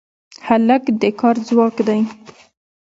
هلک د کار ځواک دی.